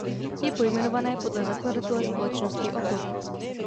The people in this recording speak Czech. Je pojmenované podle zakladatele společnosti Opel.